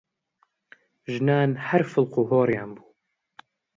ژنان هەر فڵقوهۆڕیان بوو!